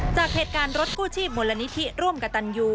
จากเหตุการณ์รถกู้ชีพมูลนิธิร่วมกับตันยู